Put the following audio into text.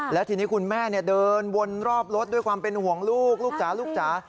และทีนี้คุณแม่เดินวนรอบรถด้วยความเป็นห่วงลูกลูกจ๋าลูกจ๋า